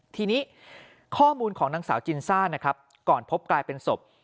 ทีนี้ข้อมูลของนางสาวจินซ่านะครับก่อนพบกลายเป็นศพ